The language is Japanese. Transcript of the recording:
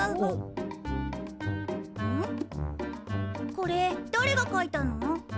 これだれがかいたの？